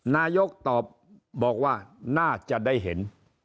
นายกตอบบอกว่าน่าจะได้เห็น